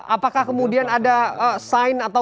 apakah kemudian ada sign atau